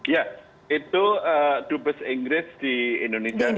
ya itu dut besar inggris di indonesia